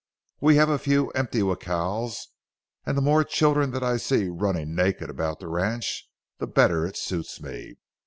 We have a few empty jacals, and the more children that I see running naked about the ranch, the better it suits me.